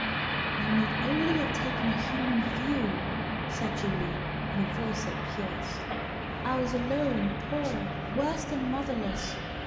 "You need only have taken a human view," said Julie, in a voice that pierced; "I was alone, poor worse than motherless.